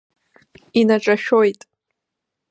Инаҿашәоит.